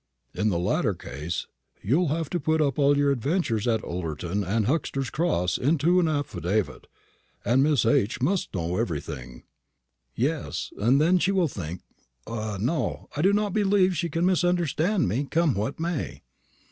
In the latter case you'll have to put all your adventures at Ullerton and Huxter's Cross into an affidavit, and Miss H. must know everything." "Yes; and then she will think ah, no; I do not believe she can misunderstand me, come what may."